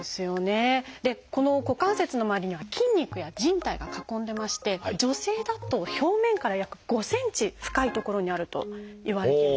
でこの股関節の周りには筋肉やじん帯が囲んでまして女性だと表面から約５センチ深い所にあるといわれています。